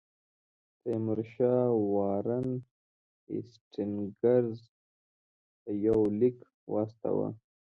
تیمورشاه وارن هیسټینګز ته یو لیک واستاوه.